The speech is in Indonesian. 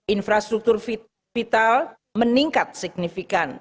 infrastruktur vital meningkat signifikan